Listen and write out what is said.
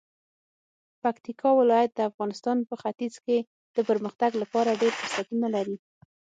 پکتیکا ولایت د افغانستان په ختیځ کې د پرمختګ لپاره ډیر فرصتونه لري.